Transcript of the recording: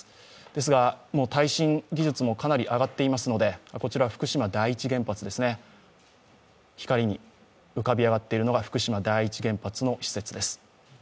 ですが、耐震技術もかなり上がっていますので、こちら、光に浮かび上がっているのが福島第一原発の施設です。